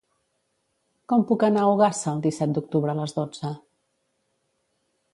Com puc anar a Ogassa el disset d'octubre a les dotze?